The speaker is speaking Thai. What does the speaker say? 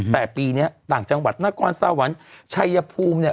แต่ปีนี้ต่างจังหวัดนครสวรรค์ชัยภูมิเนี่ย